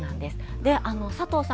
佐藤さん